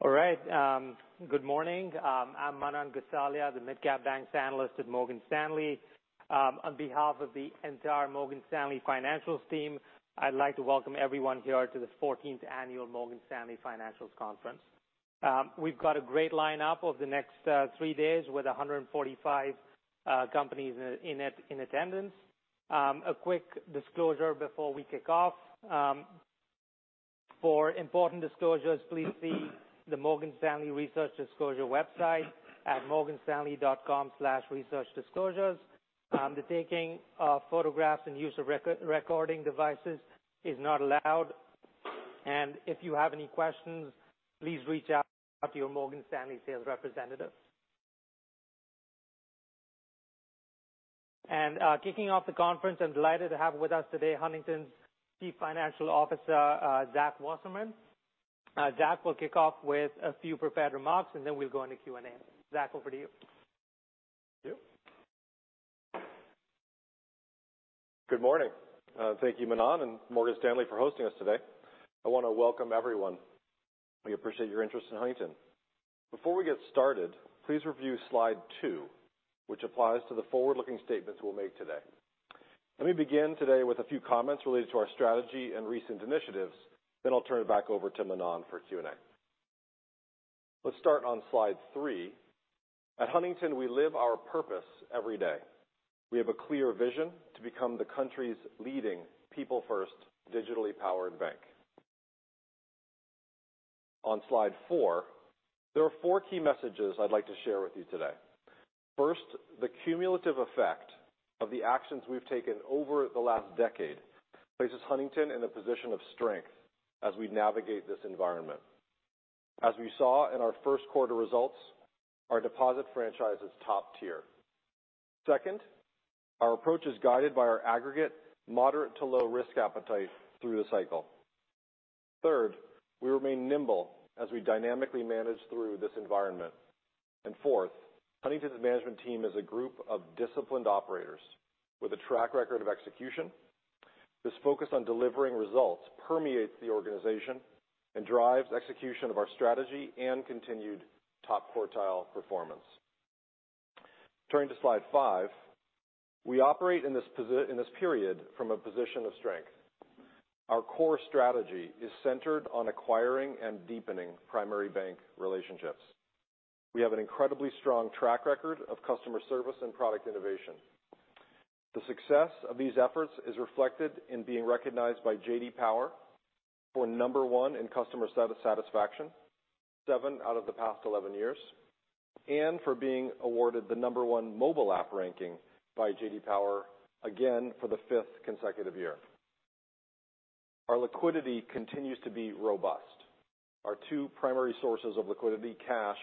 All right, good morning. I'm Manan Gosalia, the mid-cap banks analyst at Morgan Stanley. On behalf of the entire Morgan Stanley Financials team, I'd like to welcome everyone here to the 14th annual Morgan Stanley Financials Conference. We've got a great lineup over the next 3 days with 145 companies in attendance. A quick disclosure before we kick off. For important disclosures, please see the Morgan Stanley Research Disclosure website at morganstanley.com/researchdisclosures. The taking of photographs and use of recording devices is not allowed, and if you have any questions, please reach out to your Morgan Stanley sales representative. Kicking off the conference, I'm delighted to have with us today Huntington's Chief Financial Officer, Zach Wasserman. Zach will kick off with a few prepared remarks, and then we'll go into Q&A. Zach, over to you. Thank you. Good morning. Thank you, Manan, and Morgan Stanley for hosting us today. I want to welcome everyone. We appreciate your interest in Huntington. Before we get started, please review slide two, which applies to the forward-looking statements we'll make today. Let me begin today with a few comments related to our strategy and recent initiatives. Then I'll turn it back over to Manan for Q&A. Let's start on slide three. At Huntington, we live our purpose every day. We have a clear vision to become the country's leading people first, digitally powered bank. On slide four, there are four key messages I'd like to share with you today. First, the cumulative effect of the actions we've taken over the last decade places Huntington in a position of strength as we navigate this environment. As we saw in our first quarter results, our deposit franchise is top tier. Second, our approach is guided by our aggregate, moderate to low risk appetite through the cycle. Third, we remain nimble as we dynamically manage through this environment. Fourth, Huntington's management team is a group of disciplined operators with a track record of execution. This focus on delivering results permeates the organization and drives execution of our strategy and continued top quartile performance. Turning to slide 5, we operate in this period from a position of strength. Our core strategy is centered on acquiring and deepening primary bank relationships. We have an incredibly strong track record of customer service and product innovation. The success of these efforts is reflected in being recognized by J.D. Power for number 1 in customer satisfaction, 7 out of the past 11 years, and for being awarded the number 1 mobile app ranking by J.D. Power, again, for the 5th consecutive year. Our liquidity continues to be robust. Our two primary sources of liquidity, cash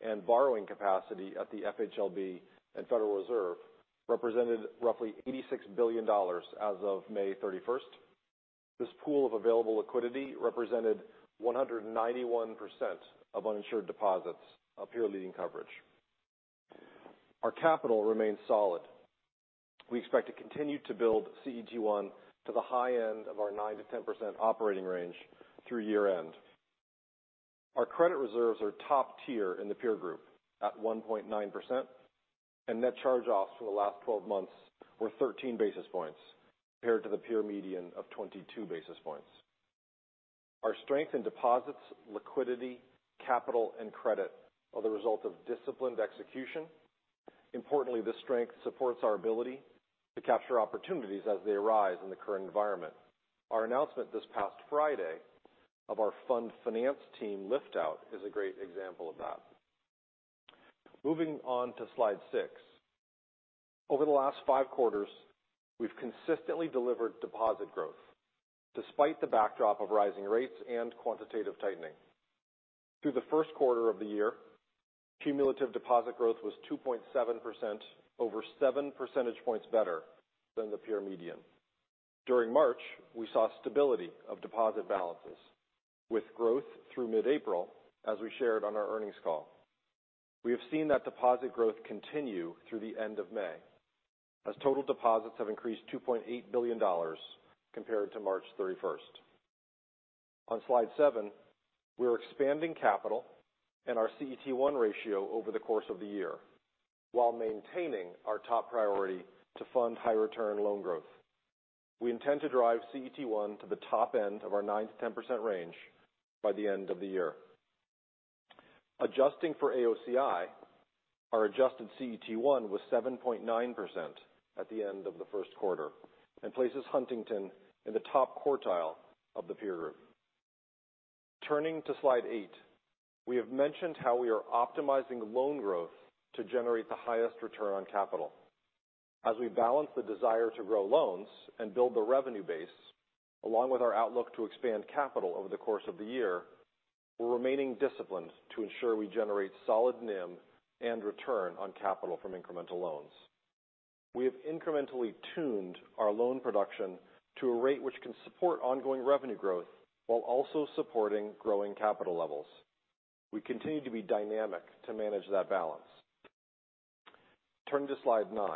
and borrowing capacity at the FHLB and Federal Reserve, represented roughly $86 billion as of May 31st. This pool of available liquidity represented 191% of uninsured deposits of peer leading coverage. Our capital remains solid. We expect to continue to build CET1 to the high end of our 9%-10% operating range through year-end. Our credit reserves are top tier in the peer group at 1.9%, and net charge-offs for the last 12 months were 13 basis points, compared to the peer median of 22 basis points. Our strength in deposits, liquidity, capital, and credit are the result of disciplined execution. Importantly, this strength supports our ability to capture opportunities as they arise in the current environment. Our announcement this past Friday of our fund finance team lift out is a great example of that. Moving on to slide 6. Over the last 5 quarters, we've consistently delivered deposit growth, despite the backdrop of rising rates and quantitative tightening. Through the 1st quarter of the year, cumulative deposit growth was 2.7%, over 7 percentage points better than the peer median. During March, we saw stability of deposit balances, with growth through mid-April, as we shared on our earnings call. We have seen that deposit growth continue through the end of May, as total deposits have increased $2.8 billion compared to March 31st. On slide 7, we're expanding capital and our CET1 ratio over the course of the year, while maintaining our top priority to fund high return loan growth. We intend to drive CET1 to the top end of our 9%-10% range by the end of the year. Adjusting for AOCI, our adjusted CET1 was 7.9% at the end of the first quarter and places Huntington in the top quartile of the peer group. Turning to slide 8, we have mentioned how we are optimizing loan growth to generate the highest return on capital. As we balance the desire to grow loans and build the revenue base, along with our outlook to expand capital over the course of the year, we're remaining disciplined to ensure we generate solid NIM and return on capital from incremental loans. We have incrementally tuned our loan production to a rate which can support ongoing revenue growth while also supporting growing capital levels. We continue to be dynamic to manage that balance. Turning to slide 9.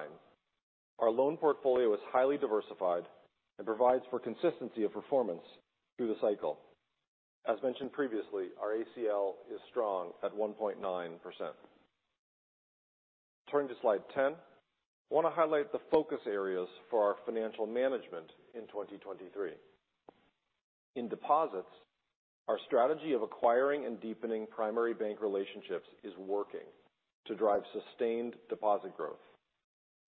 Our loan portfolio is highly diversified and provides for consistency of performance through the cycle. As mentioned previously, our ACL is strong at 1.9%. Turning to slide 10, I want to highlight the focus areas for our financial management in 2023. In deposits, our strategy of acquiring and deepening primary bank relationships is working to drive sustained deposit growth.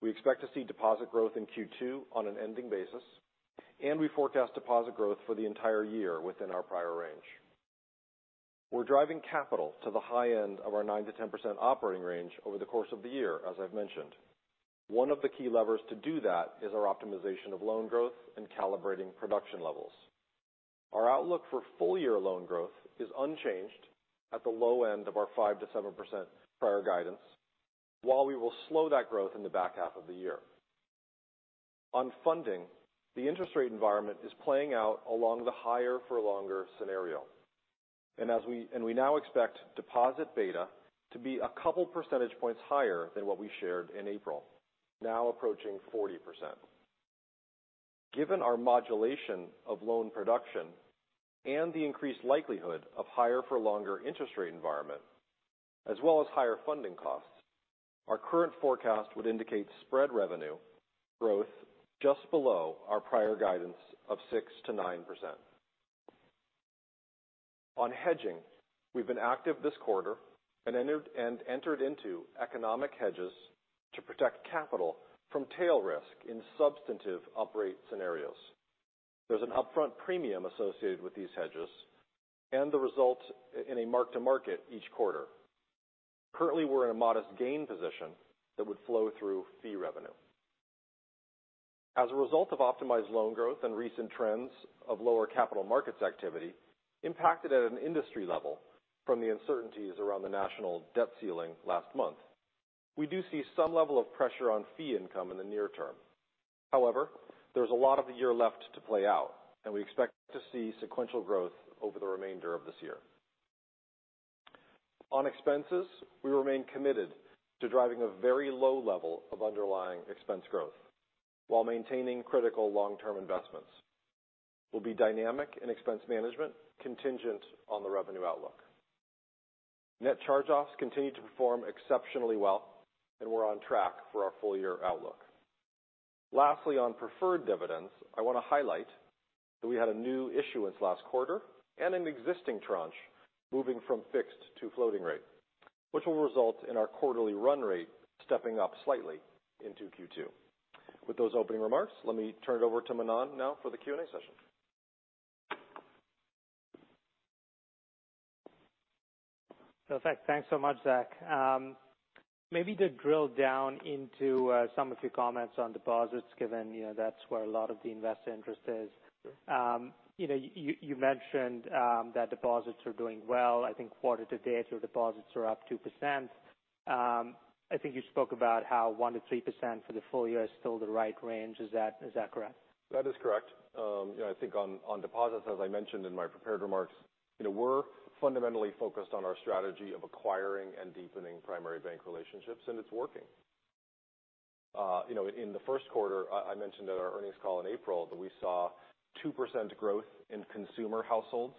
We expect to see deposit growth in Q2 on an ending basis, and we forecast deposit growth for the entire year within our prior range. We're driving capital to the high end of our 9%-10% operating range over the course of the year, as I've mentioned. One of the key levers to do that is our optimization of loan growth and calibrating production levels. Our outlook for full year loan growth is unchanged at the low end of our 5%-7% prior guidance, while we will slow that growth in the back half of the year. On funding, the interest rate environment is playing out along the higher for longer scenario, and we now expect deposit beta to be a couple percentage points higher than what we shared in April, now approaching 40%. Given our modulation of loan production and the increased likelihood of higher for longer interest rate environment, as well as higher funding costs, our current forecast would indicate spread revenue growth just below our prior guidance of 6%-9%. On hedging, we've been active this quarter and entered into economic hedges to protect capital from tail risk in substantive operate scenarios. There's an upfront premium associated with these hedges and the result in a mark to market each quarter. Currently, we're in a modest gain position that would flow through fee revenue. As a result of optimized loan growth and recent trends of lower capital markets activity impacted at an industry level from the uncertainties around the national debt ceiling last month, we do see some level of pressure on fee income in the near term. However, there's a lot of the year left to play out, and we expect to see sequential growth over the remainder of this year. On expenses, we remain committed to driving a very low level of underlying expense growth while maintaining critical long-term investments. We'll be dynamic in expense management, contingent on the revenue outlook. Net charge-offs continue to perform exceptionally well, and we're on track for our full year outlook. Lastly, on preferred dividends, I want to highlight that we had a new issuance last quarter and an existing tranche moving from fixed to floating rate, which will result in our quarterly run rate stepping up slightly into Q2. With those opening remarks, let me turn it over to Manan now for the Q&A session. Perfect. Thanks so much, Zach. Maybe to drill down into some of your comments on deposits, given, you know, that's where a lot of the investor interest is. You know, you mentioned that deposits are doing well. I think quarter to date, your deposits are up 2%. I think you spoke about how 1%-3% for the full year is still the right range. Is that correct? That is correct. you know, I think on deposits, as I mentioned in my prepared remarks, you know, we're fundamentally focused on our strategy of acquiring and deepening primary bank relationships, and it's working. you know, in the first quarter, I mentioned at our earnings call in April that we saw 2% growth in consumer households,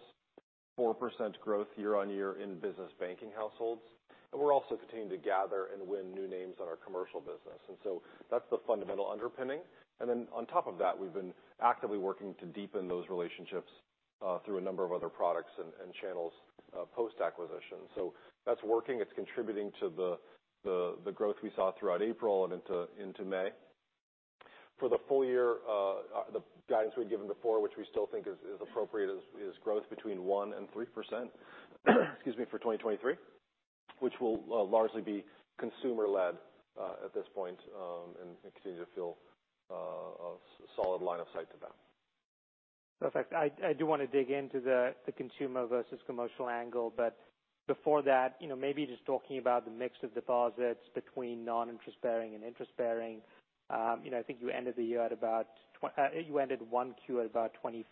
4% growth year-over-year in business banking households, and we're also continuing to gather and win new names on our commercial business. That's the fundamental underpinning. Then on top of that, we've been actively working to deepen those relationships through a number of other products and channels post-acquisition. That's working. It's contributing to the growth we saw throughout April and into May. For the full year, the guidance we'd given before, which we still think is appropriate, is growth between 1%-3%, excuse me, for 2023, which will largely be consumer led, at this point, and continue to feel a solid line of sight to that. Perfect. I do want to dig into the consumer versus commercial angle. Before that, you know, maybe just talking about the mix of deposits between non-interest bearing and interest bearing. You know, I think you ended 1Q at about 25%,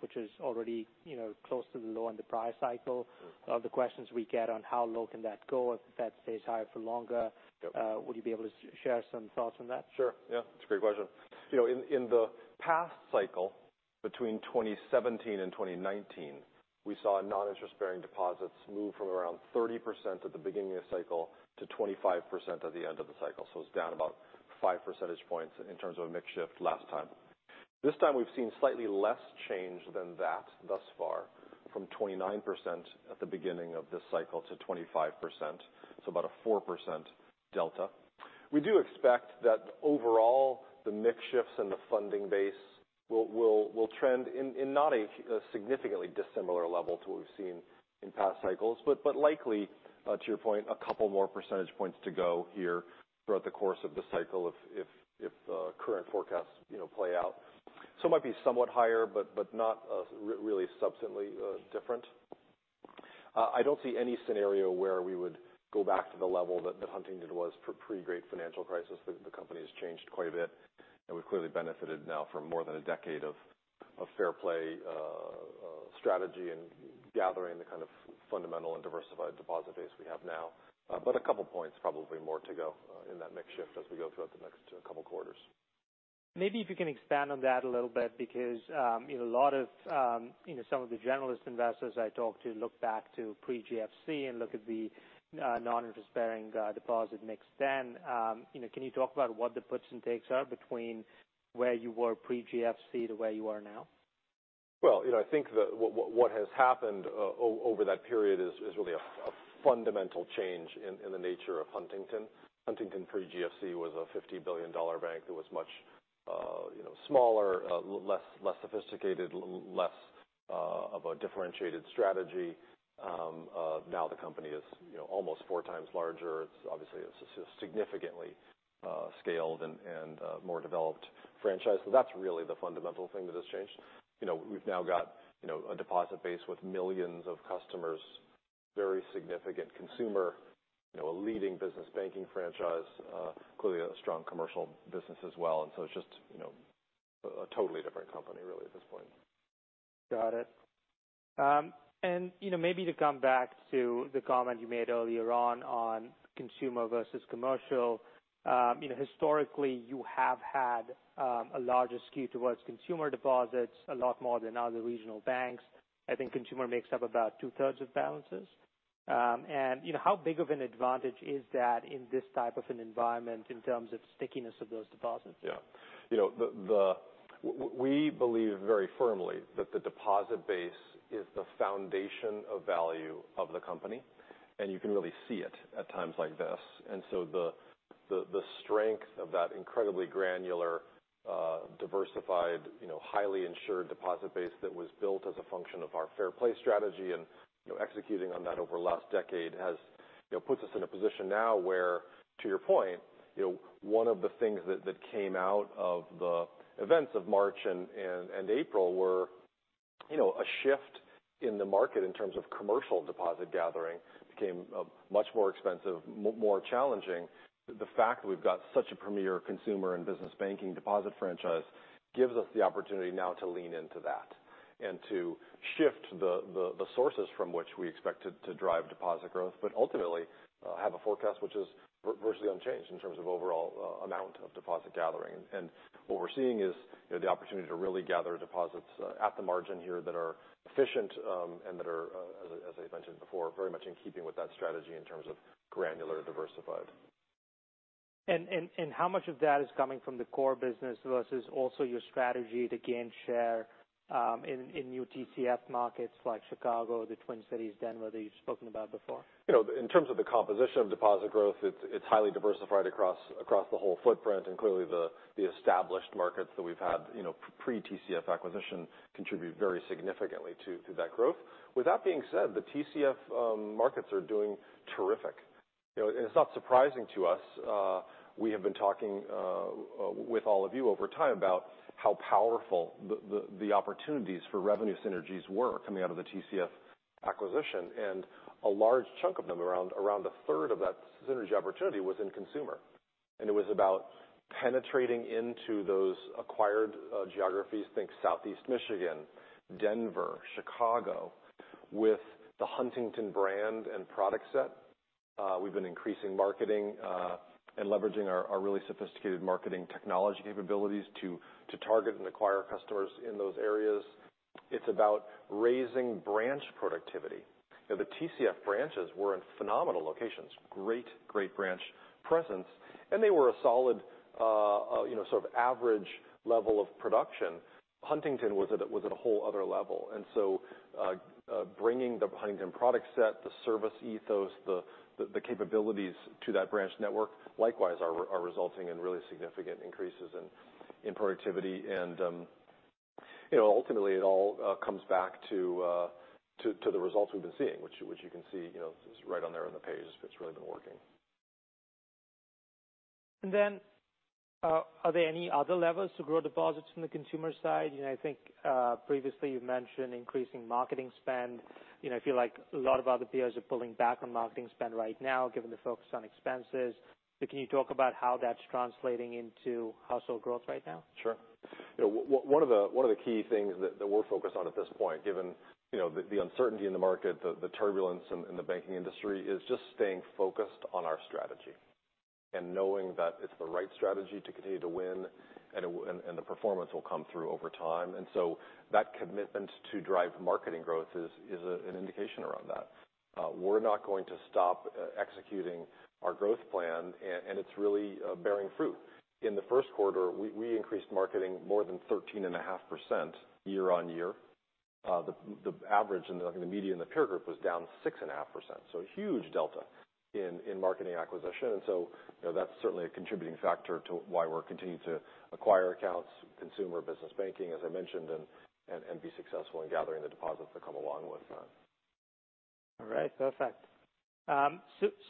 which is already, you know, close to the low on the price cycle. The questions we get on how low can that go if that stays higher for longer? Yep. Would you be able to share some thoughts on that? Sure. Yeah, that's a great question. You know, in the past cycle, between 2017 and 2019, we saw non-interest bearing deposits move from around 30% at the beginning of cycle to 25% at the end of the cycle. It's down about 5 percentage points in terms of a mix shift last time. This time, we've seen slightly less change than that thus far, from 29% at the beginning of this cycle to 25%, so about a 4% delta. We do expect that overall, the mix shifts and the funding base will trend in not a significantly dissimilar level to what we've seen in past cycles, but likely, to your point, a couple more percentage points to go here throughout the course of the cycle if the current forecasts, you know, play out. It might be somewhat higher, but not really substantively different. I don't see any scenario where we would go back to the level that Huntington was for pre-Great Financial Crisis. The company has changed quite a bit, and we've clearly benefited now from more than a decade of Fair Play strategy and gathering the kind of fundamental and diversified deposit base we have now. A couple points, probably more to go in that mix shift as we go throughout the next couple quarters. Maybe if you can expand on that a little bit, because, you know, a lot of, you know, some of the generalist investors I talk to look back to pre-GFC and look at the non-interest bearing, deposit mix then. You know, can you talk about what the puts and takes are between where you were pre-GFC to where you are now? Well, you know, I think the what has happened over that period is really a fundamental change in the nature of Huntington. Huntington pre-GFC was a $50 billion bank that was much, you know, smaller, less sophisticated, less of a differentiated strategy. Now the company is, you know, almost 4 times larger. It's obviously, it's significantly scaled and more developed franchise. That's really the fundamental thing that has changed. You know, we've now got, you know, a deposit base with millions of customers, very significant consumer, you know, a leading business banking franchise, clearly a strong commercial business as well. It's just, you know, a totally different company really at this point. Got it. You know, maybe to come back to the comment you made earlier on consumer versus commercial. You know, historically, you have had a larger skew towards consumer deposits, a lot more than other regional banks. I think consumer makes up about two thirds of balances. You know, how big of an advantage is that in this type of an environment in terms of stickiness of those deposits? Yeah. You know, we believe very firmly that the deposit base is the foundation of value of the company, and you can really see it at times like this. The strength of that incredibly granular, diversified, you know, highly insured deposit base that was built as a function of our Fair Play strategy and, you know, executing on that over the last decade has, you know, puts us in a position now where, to your point, you know, one of the things that came out of the events of March and April were, you know, a shift in the market in terms of commercial deposit gathering became much more expensive, more challenging. The fact that we've got such a premier consumer and business banking deposit franchise gives us the opportunity now to lean into that and to shift the sources from which we expect to drive deposit growth, but ultimately, have a forecast which is virtually unchanged in terms of overall amount of deposit gathering. What we're seeing is, you know, the opportunity to really gather deposits at the margin here that are efficient, and that are, as I mentioned before, very much in keeping with that strategy in terms of granular, diversified. How much of that is coming from the core business versus also your strategy to gain share, in new TCF markets like Chicago, the Twin Cities, Denver, that you've spoken about before? You know, in terms of the composition of deposit growth, it's highly diversified across the whole footprint. Clearly, the established markets that we've had, you know, pre TCF acquisition contribute very significantly to that growth. With that being said, the TCF markets are doing terrific. You know, it's not surprising to us. We have been talking with all of you over time about how powerful the opportunities for revenue synergies were coming out of the TCF acquisition, and a large chunk of them, around a third of that synergy opportunity was in consumer. It was about penetrating into those acquired geographies, think Southeast Michigan, Denver, Chicago, with the Huntington brand and product set. We've been increasing marketing and leveraging our really sophisticated marketing technology capabilities to target and acquire customers in those areas. It's about raising branch productivity. You know, the TCF branches were in phenomenal locations, great branch presence, and they were a solid, you know, sort of average level of production. Huntington was at a whole other level. Bringing the Huntington product set, the service ethos, the capabilities to that branch network likewise are resulting in really significant increases in productivity. You know, ultimately it all comes back to the results we've been seeing, which you can see, you know, is right on there on the page. It's really been working. Are there any other levers to grow deposits from the consumer side? You know, I think, previously you've mentioned increasing marketing spend. You know, I feel like a lot of other peers are pulling back on marketing spend right now, given the focus on expenses. Can you talk about how that's translating into household growth right now? Sure. You know, one of the key things that we're focused on at this point, given, you know, the uncertainty in the market, the turbulence in the banking industry, is just staying focused on our strategy and knowing that it's the right strategy to continue to win, and the performance will come through over time. So that commitment to drive marketing growth is an indication around that. We're not going to stop executing our growth plan, and it's really bearing fruit. In the first quarter, we increased marketing more than 13.5% year-on-year. The average in the median in the peer group was down 6.5%, so a huge delta in marketing acquisition. You know, that's certainly a contributing factor to why we're continuing to acquire accounts, consumer business banking, as I mentioned, and be successful in gathering the deposits that come along with that. All right. Perfect.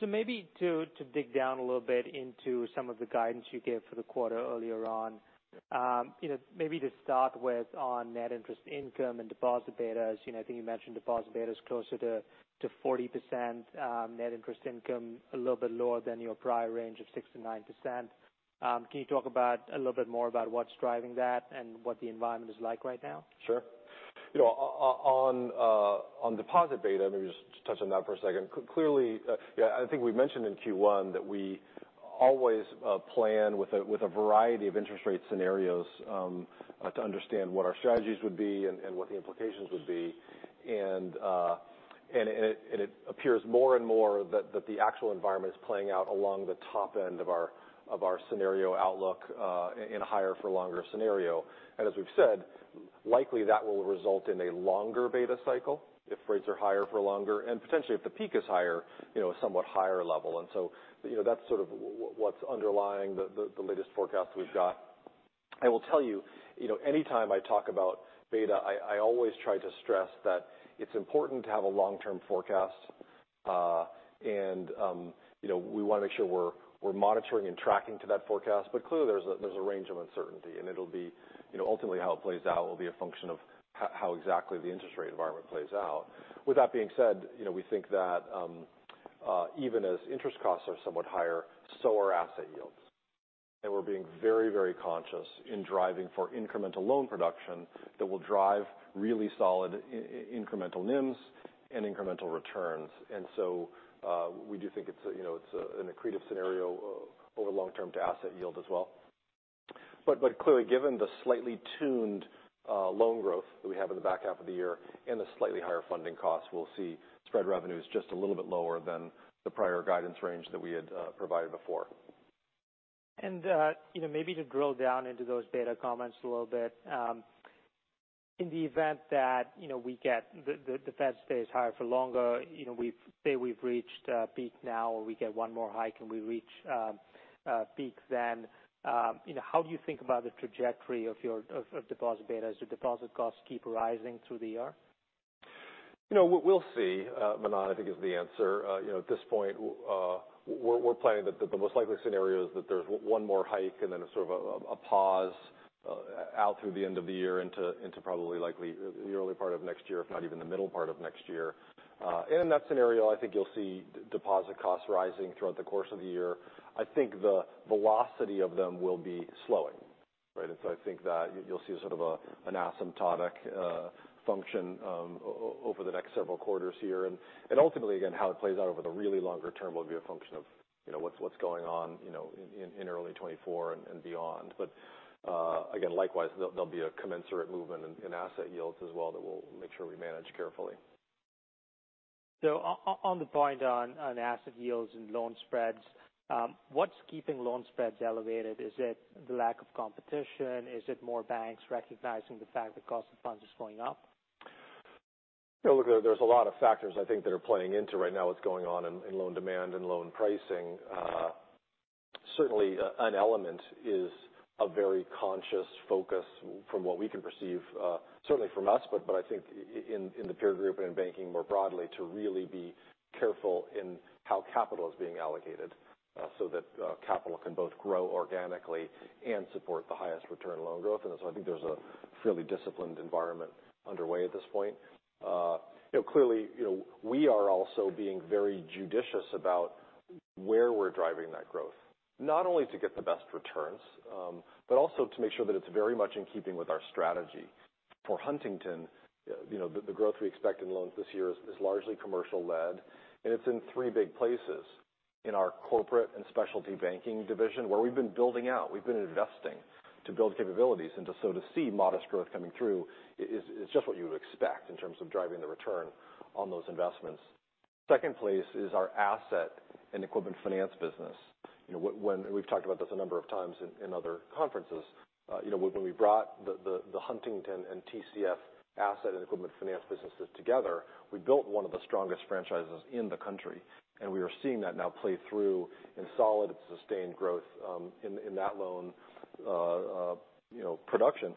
Maybe to dig down a little bit into some of the guidance you gave for the quarter earlier on. You know, maybe to start with on net interest income and deposit betas. You know, I think you mentioned deposit betas closer to 40%, net interest income, a little bit lower than your prior range of 6%-9%. Can you talk about a little more about what's driving that and what the environment is like right now? Sure. You know, on deposit beta, maybe just touch on that for a second. Clearly, yeah, I think we've mentioned in Q1 that we always plan with a variety of interest rate scenarios to understand what our strategies would be and what the implications would be. It appears more and more that the actual environment is playing out along the top end of our scenario outlook in a higher for longer scenario. As we've said, likely that will result in a longer beta cycle if rates are higher for longer, and potentially if the peak is higher, you know, a somewhat higher level. You know, that's sort of what's underlying the latest forecast we've got. I will tell you know, anytime I talk about beta, I always try to stress that it's important to have a long-term forecast. You know, we want to make sure we're monitoring and tracking to that forecast. Clearly, there's a range of uncertainty, and it'll be, you know, ultimately how it plays out will be a function of how exactly the interest rate environment plays out. With that being said, you know, we think that even as interest costs are somewhat higher, so are asset yields. We're being very conscious in driving for incremental loan production that will drive really solid incremental NIMS and incremental returns. We do think it's a, you know, it's an accretive scenario over long term to asset yield as well. Clearly, given the slightly tuned loan growth that we have in the back half of the year and the slightly higher funding costs, we'll see spread revenues just a little bit lower than the prior guidance range that we had provided before. You know, maybe to drill down into those beta comments a little bit. In the event that, you know, we get the Fed stays higher for longer, you know, say we've reached a peak now, or we get one more hike and we reach a peak then, you know, how do you think about the trajectory of your, of deposit betas? Do deposit costs keep rising through the year? You know, we'll see, Manan, I think is the answer. You know, at this point, we're planning that the most likely scenario is that there's 1 more hike and then a sort of a pause out through the end of the year into probably likely the early part of next year, if not even the middle part of next year. In that scenario, I think you'll see deposit costs rising throughout the course of the year. I think the velocity of them will be slowing, right? I think that you'll see a sort of a an asymptotic function over the next several quarters here. Ultimately, again, how it plays out over the really longer term will be a function of, you know, what's going on, you know, in early 2024 and beyond. Again, likewise, there'll be a commensurate movement in asset yields as well that we'll make sure we manage carefully. On the point on asset yields and loan spreads, what's keeping loan spreads elevated? Is it the lack of competition? Is it more banks recognizing the fact that cost of funds is going up? Yeah, look, there's a lot of factors I think that are playing into right now what's going on in loan demand and loan pricing. certainly, an element is a very conscious focus from what we can perceive, certainly from us, but I think in the peer group and in banking more broadly, to really be careful in how capital is being allocated, so that, capital can both grow organically and support the highest return loan growth. I think there's a fairly disciplined environment underway at this point. you know, clearly, you know, we are also being very judicious about where we're driving that growth. Not only to get the best returns, but also to make sure that it's very much in keeping with our strategy. For Huntington, you know, the growth we expect in loans this year is largely commercial led, and it's in 3 big places. In our Corporate and Specialty Banking division, where we've been building out, we've been investing to build capabilities. To see modest growth coming through is just what you would expect in terms of driving the return on those investments. Second place is our Asset and Equipment Finance business. You know, we've talked about this a number of times in other conferences. You know, when we brought the Huntington and TCF Asset and Equipment Finance businesses together, we built 1 of the strongest franchises in the country, and we are seeing that now play through in solid and sustained growth in that loan, you know, production,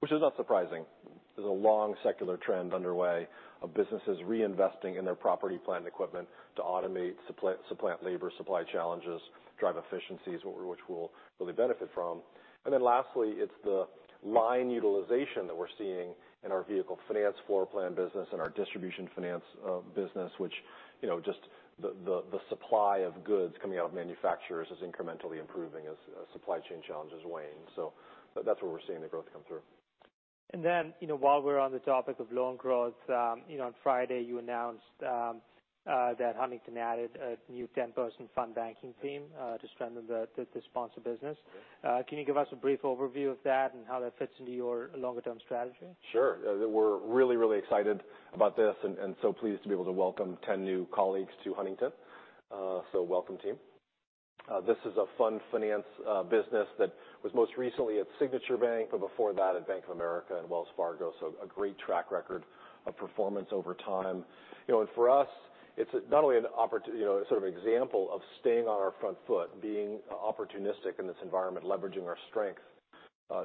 which is not surprising. There's a long secular trend underway of businesses reinvesting in their property plant equipment to automate, supplant labor, supply challenges, drive efficiencies, which we'll really benefit from. Lastly, it's the line utilization that we're seeing in our Vehicle Finance Floor Plan business and our Distribution Finance business, which, you know, just the supply of goods coming out of manufacturers is incrementally improving as supply chain challenges wane. That's where we're seeing the growth come through. you know, while we're on the topic of loan growth, you know, on Friday, you announced that Huntington added a new 10-person fund banking team to strengthen the sponsor business. Can you give us a brief overview of that and how that fits into your longer-term strategy? Sure. We're really excited about this and so pleased to be able to welcome ten new colleagues to Huntington. So welcome team. This is a fund finance business that was most recently at Signature Bank, but before that at Bank of America and Wells Fargo. A great track record of performance over time. You know, and for us, it's not only You know, a sort of example of staying on our front foot, being opportunistic in this environment, leveraging our strength,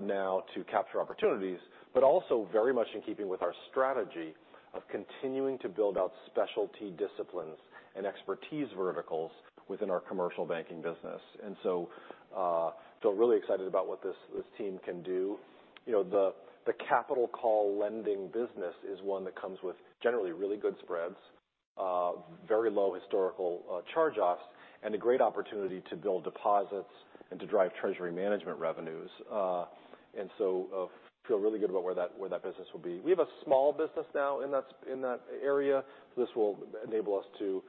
now to capture opportunities, but also very much in keeping with our strategy of continuing to build out specialty disciplines and expertise verticals within our commercial banking business. So really excited about what this team can do. You know, the capital call lending business is one that comes with generally really good spreads. very low historical, charge-offs and a great opportunity to build deposits and to drive treasury management revenues. Feel really good about where that business will be. We have a small business now in that area. This will enable us to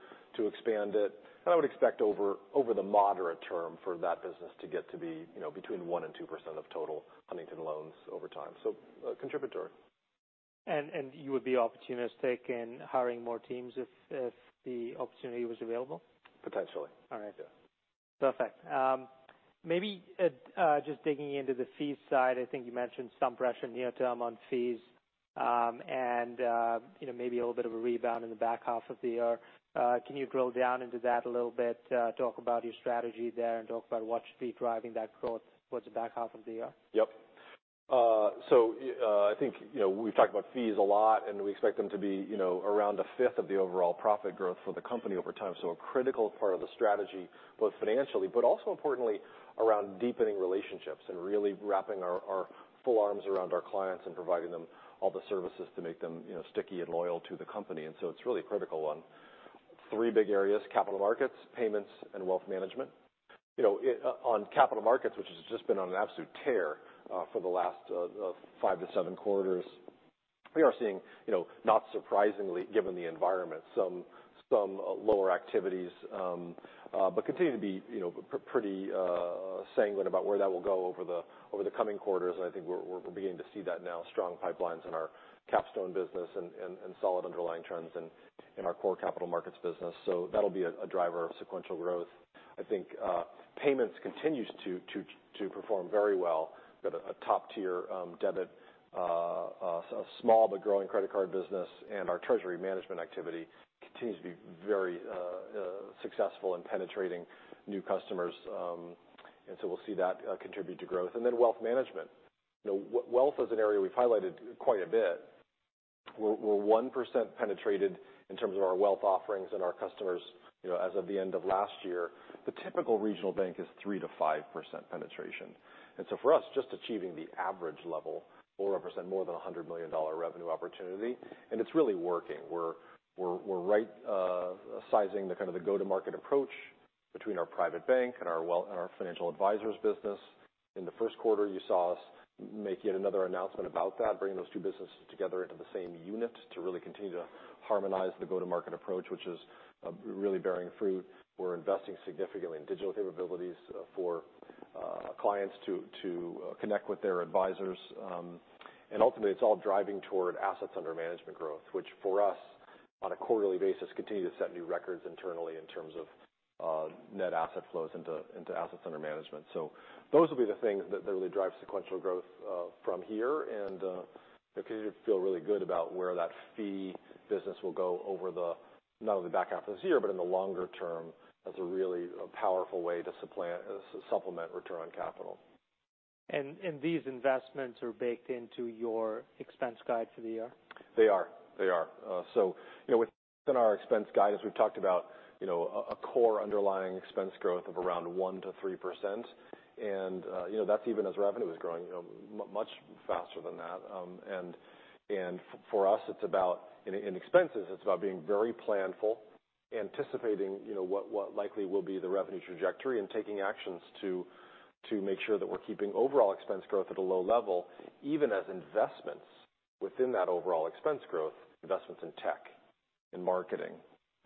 expand it, I would expect over the moderate term for that business to get to be, you know, between 1%-2% of total Huntington loans over time. Contributory. You would be opportunistic in hiring more teams if the opportunity was available? Potentially. All right. Yeah. Perfect. Maybe at, just digging into the fees side, I think you mentioned some pressure near term on fees, and, you know, maybe a little bit of a rebound in the back half of the year. Can you drill down into that a little bit, talk about your strategy there and talk about what should be driving that growth towards the back half of the year? Yep. I think, you know, we've talked about fees a lot, we expect them to be, you know, around a fifth of the overall profit growth for the company over time. A critical part of the strategy, both financially, but also importantly, around deepening relationships and really wrapping our full arms around our clients and providing them all the services to make them, you know, sticky and loyal to the company, it's really a critical one. Three big areas, capital markets, payments, and wealth management. You know, on capital markets, which has just been on an absolute tear, for the last five to seven quarters, we are seeing, you know, not surprisingly, given the environment, some lower activities, but continue to be, you know, pretty sanguine about where that will go over the coming quarters. I think we're beginning to see that now, strong pipelines in our Capstone business and solid underlying trends in our core capital markets business. That'll be a driver of sequential growth. I think payments continues to perform very well. We've got a top tier debit, a small but growing credit card business, and our treasury management activity continues to be very successful in penetrating new customers. We'll see that contribute to growth. Then wealth management. You know, wealth is an area we've highlighted quite a bit. We're 1% penetrated in terms of our wealth offerings and our customers, you know, as of the end of last year. The typical regional bank is 3%-5% penetration. For us, just achieving the average level will represent more than a $100 million revenue opportunity, and it's really working. We're right sizing the kind of the go-to-market approach between our private bank and our financial advisors business. In the first quarter, you saw us make yet another announcement about that, bringing those two businesses together into the same unit to really continue to harmonize the go-to-market approach, which is really bearing fruit. We're investing significantly in digital capabilities for clients to connect with their advisors. Ultimately, it's all driving toward assets under management growth, which for us, on a quarterly basis, continue to set new records internally in terms of net asset flows into assets under management. Those will be the things that really drive sequential growth from here, and continue to feel really good about where that fee business will go over the, not only the back half of this year, but in the longer term, as a really a powerful way to supplement return on capital. These investments are baked into your expense guide for the year? They are. So, you know, within our expense guide, as we've talked about, you know, a core underlying expense growth of around 1%-3%. You know, that's even as revenue is growing, you know, much faster than that. And for us, it's about, in expenses, it's about being very planful, anticipating, you know, what likely will be the revenue trajectory and taking actions to make sure that we're keeping overall expense growth at a low level, even as investments within that overall expense growth, investments in tech, in marketing,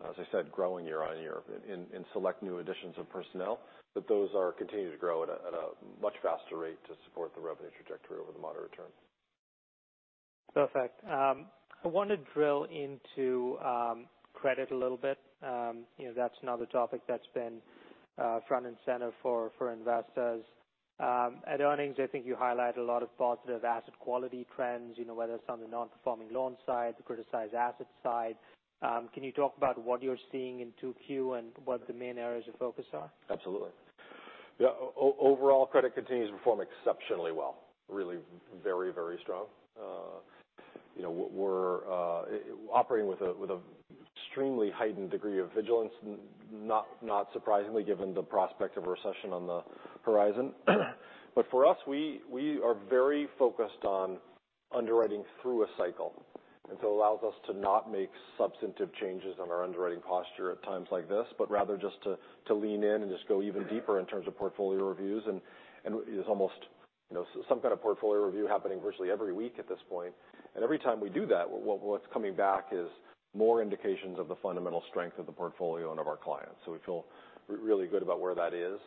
as I said, growing year-over-year in select new additions of personnel, that those are continuing to grow at a much faster rate to support the revenue trajectory over the moderate term. Perfect. I want to drill into credit a little bit. You know, that's another topic that's been front and center for investors. At earnings, I think you highlight a lot of positive asset quality trends, you know, whether it's on the non-performing loan side, the criticized asset side. Can you talk about what you're seeing in 2Q and what the main areas of focus are? Absolutely. Overall, credit continues to perform exceptionally well, really very, very strong. You know, we're operating with an extremely heightened degree of vigilance, not surprisingly, given the prospect of a recession on the horizon. For us, we are very focused on underwriting through a cycle, it allows us to not make substantive changes on our underwriting posture at times like this, but rather just to lean in and just go even deeper in terms of portfolio reviews. It's almost, you know, some kind of portfolio review happening virtually every week at this point. Every time we do that, what's coming back is more indications of the fundamental strength of the portfolio and of our clients. We feel really good about where that is.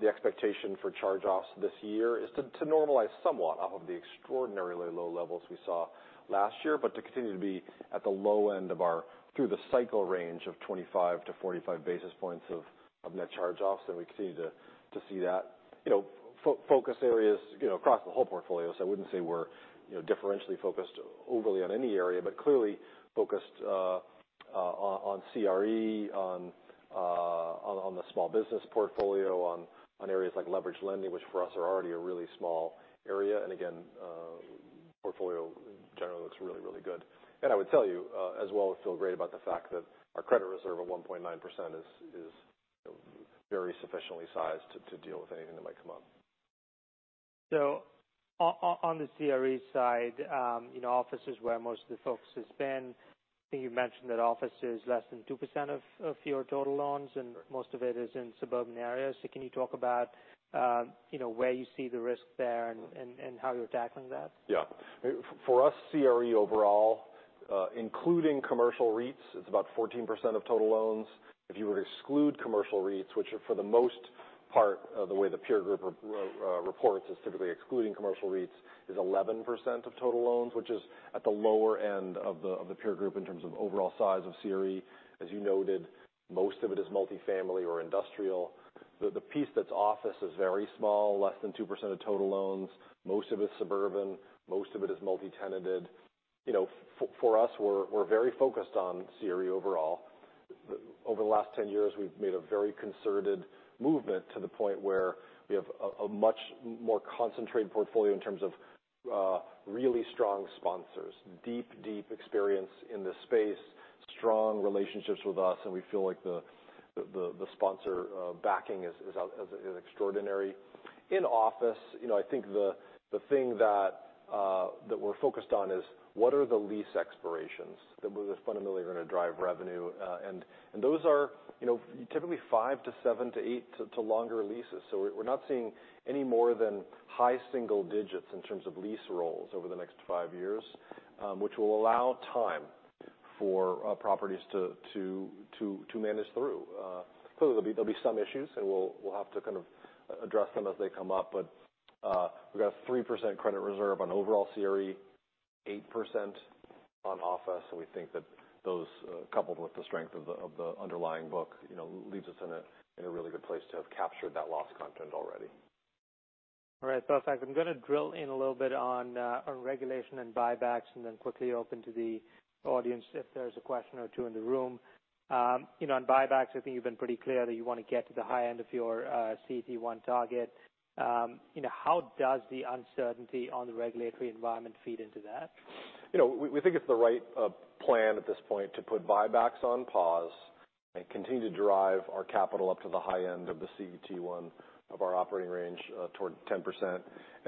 The expectation for charge-offs this year is to normalize somewhat off of the extraordinarily low levels we saw last year, but to continue to be at the low end of our through the cycle range of 25-45 basis points of net charge-offs, and we continue to see that. You know, focus areas, you know, across the whole portfolio, so I wouldn't say we're, you know, differentially focused overly on any area, but clearly focused on CRE, on the small business portfolio, on areas like leverage lending, which for us are already a really small area. Again, portfolio generally looks really, really good. I would tell you, as well, I feel great about the fact that our credit reserve of 1.9% is, you know, very sufficiently sized to deal with anything that might come up. On the CRE side, you know, office is where most of the focus has been. I think you mentioned that office is less than 2% of your total loans, and most of it is in suburban areas. Can you talk about, you know, where you see the risk there and how you're tackling that? Yeah. For us, CRE overall, including commercial REITs, it's about 14% of total loans. If you were to exclude commercial REITs, which are for the most part, the way the peer group reports is typically excluding commercial REITs, is 11% of total loans, which is at the lower end of the peer group in terms of overall size of CRE. As you noted, most of it is multifamily or industrial. The piece that's office is very small, less than 2% of total loans. Most of it's suburban, most of it is multi-tenanted. You know, for us, we're very focused on CRE overall. Over the last 10 years, we've made a very concerted movement to the point where we have a much more concentrated portfolio in terms of really strong sponsors, deep experience in this space, strong relationships with us, and we feel like the sponsor backing is extraordinary. In office, you know, I think the thing that we're focused on is what are the lease expirations that was fundamentally going to drive revenue? Those are, you know, typically 5 to 7 to 8 to longer leases. We're not seeing any more than high single digits in terms of lease rolls over the next 5 years, which will allow time for properties to manage through. Clearly, there'll be some issues, and we'll have to kind of address them as they come up. We've got a 3% credit reserve on overall CRE, 8% on office, and we think that those coupled with the strength of the underlying book, you know, leaves us in a really good place to have captured that loss content already. All right. Perfect. I'm going to drill in a little bit on regulation and buybacks, and then quickly open to the audience if there's a question or two in the room. You know, on buybacks, I think you've been pretty clear that you want to get to the high end of your CET1 target. You know, how does the uncertainty on the regulatory environment feed into that? You know, we think it's the right plan at this point to put buybacks on pause and continue to drive our capital up to the high end of the CET1 of our operating range toward 10%.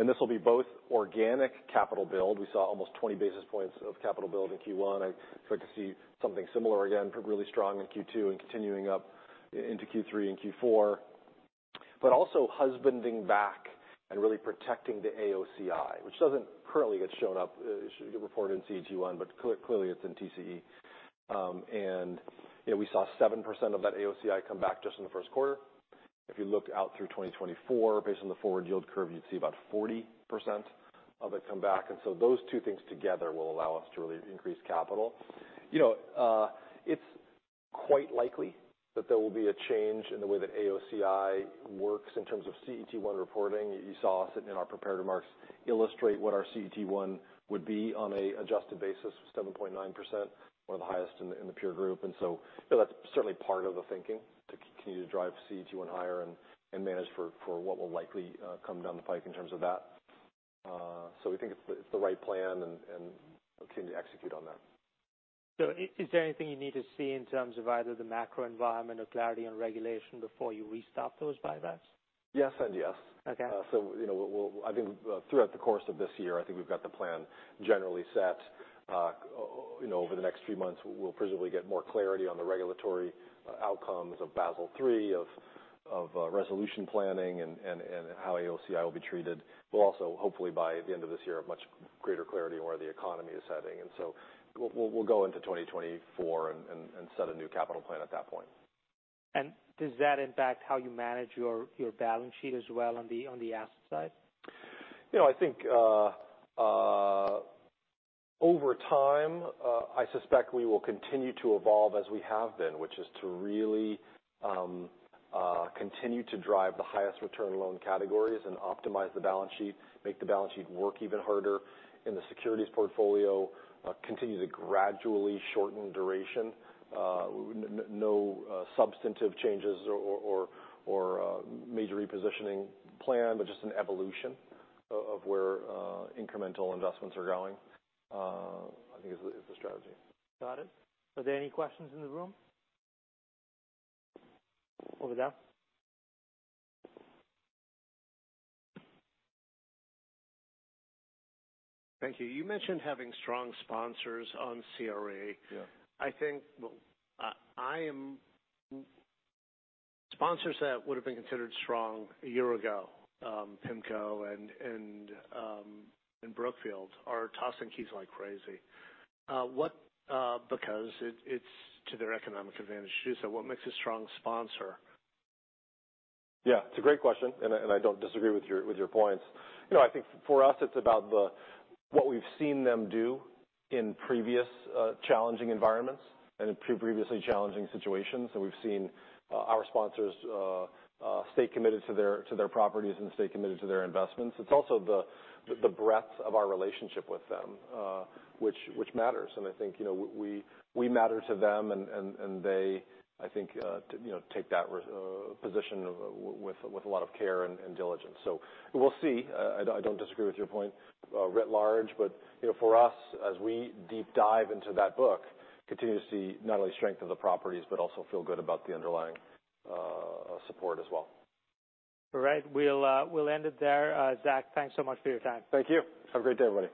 This will be both organic capital build. We saw almost 20 basis points of capital build in Q1. I'd expect to see something similar again, really strong in Q2 and continuing into Q3 and Q4, but also husbanding back and really protecting the AOCI, which doesn't currently get reported in CET1, but clearly, it's in TCE. You know, we saw 7% of that AOCI come back just in the first quarter. If you look out through 2024, based on the forward yield curve, you'd see about 40% of it come back. Those two things together will allow us to really increase capital. You know, it's quite likely that there will be a change in the way that AOCI works in terms of CET1 reporting. You saw us in our prepared remarks illustrate what our CET1 would be on an adjusted basis, 7.9%, one of the highest in the peer group. You know, that's certainly part of the thinking to continue to drive CET1 higher and manage for what will likely come down the pike in terms of that. So we think it's the right plan and we'll continue to execute on that. Is there anything you need to see in terms of either the macro environment or clarity on regulation before you restart those buybacks? Yes and yes. Okay. you know, I think throughout the course of this year, I think we've got the plan generally set. you know, over the next few months, we'll presumably get more clarity on the regulatory outcomes of Basel III, of resolution planning and how AOCI will be treated. We'll also, hopefully, by the end of this year, have much greater clarity on where the economy is heading. we'll go into 2024 and set a new capital plan at that point. Does that impact how you manage your balance sheet as well on the asset side? You know, I think, over time, I suspect we will continue to evolve as we have been, which is to really, continue to drive the highest return loan categories and optimize the balance sheet, make the balance sheet work even harder in the securities portfolio, continue to gradually shorten duration. No substantive changes or major repositioning plan, but just an evolution of where incremental investments are going, I think, is the strategy. Got it. Are there any questions in the room? Over there. Thank you. You mentioned having strong sponsors on CRE. Yeah. I think, well, sponsors that would have been considered strong a year ago, PIMCO and Brookfield, are tossing keys like crazy. What, because it's to their economic advantage to do so. What makes a strong sponsor? Yeah, it's a great question, and I don't disagree with your, with your points. You know, I think for us, it's about what we've seen them do in previous challenging environments and in previously challenging situations. We've seen our sponsors stay committed to their properties and stay committed to their investments. It's also the breadth of our relationship with them, which matters. I think, you know, we matter to them, and they, I think, you know, take that position with a lot of care and diligence. We'll see. I don't disagree with your point, writ large. You know, for us, as we deep dive into that book, continue to see not only strength of the properties, but also feel good about the underlying support as well. All right. We'll, we'll end it there. Zach, thanks so much for your time. Thank you. Have a great day, everybody.